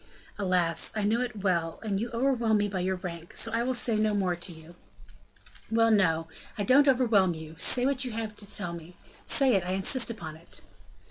"Alas, I know it well, and you overwhelm me by your rank; so I will say no more to you." "Well, no, I don't overwhelm you; say what you have to tell me say it, I insist upon it."